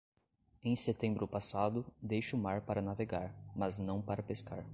Em setembro passado, deixe o mar para navegar, mas não para pescar.